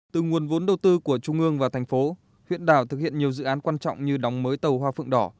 từ nguồn vốn đầu tư của trung ương và thành phố huyện đảo thực hiện nhiều dự án quan trọng như đóng mới tàu hoa phượng đỏ